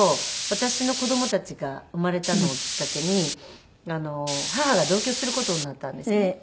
私の子供たちが生まれたのをきっかけに母が同居する事になったんですね。